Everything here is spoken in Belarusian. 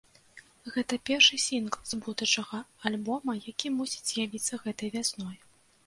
Гэта першы сінгл з будучага альбома, які мусіць з'явіцца гэтай вясной.